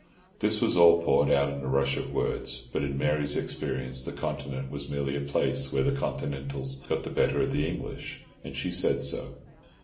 This was all poured out in a rush of words; but in Mary's experience the Continent was merely a place where the Continentals got the better of the English, and she said so.